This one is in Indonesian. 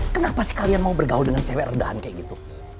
kenapa sih kalian mau bergaul dengan cewek redahan kayak gitu